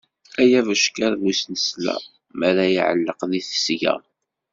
Ay abeckiḍ bu snesla, mi ara iɛelleq di tesga.